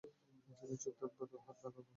চুপ থাকবা তো হাতে লাগাবো!